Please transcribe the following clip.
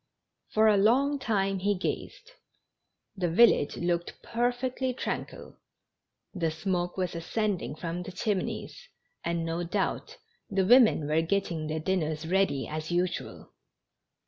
For a long time he gazed. The village looked perfectly tranquil ; the smoke was ascending from the chimneys, and, no doubt, the women were getting their dinners read}^ as usual.